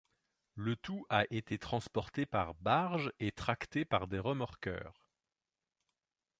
Le tout a été transporté par barge et tracté par des remorqueurs.